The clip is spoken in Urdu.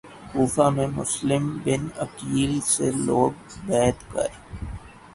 کوفہ میں مسلم بن عقیل سے لوگ بیعت کر